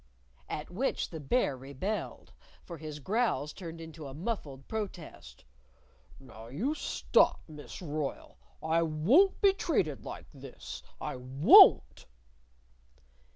At which the Bear rebelled. For his growls turned into a muffled protest "Now, you stop, Miss Royle! I won't be treated like this! I _won't!